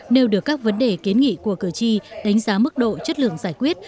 nêu được các vấn đề kiến nghị của cử tri đánh giá mức độ chất lượng giải quyết